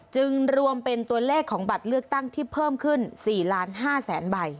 จึงรวมเป็นตัวเลขของบัตรเลือกตั้งที่เพิ่มขึ้น๔๕๐๐๐ใบ